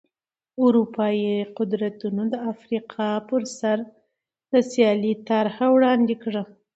اروپايي قدرتونو د افریقا پر سر د سیالۍ طرحه وړاندې کړه.